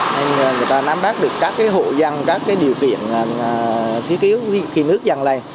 nên người ta nắm bác được các hộ dân các điều kiện thiếu khi nước dân lên